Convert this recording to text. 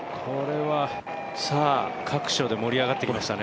各所で盛り上がってきましたね。